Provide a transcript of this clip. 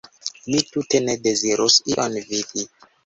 Mi tute ne dezirus ion vidi!